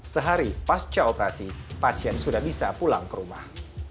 sehari pasca operasi pasien sudah bisa pulang ke rumah